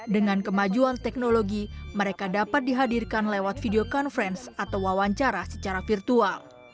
dengan kemajuan teknologi mereka dapat dihadirkan lewat video conference atau wawancara secara virtual